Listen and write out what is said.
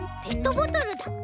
ペットボトルだ。